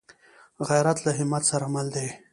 غیرت له همت سره مل دی